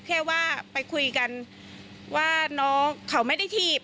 แค่ว่าไปคุยกันว่าน้องเขาไม่ได้ถีบ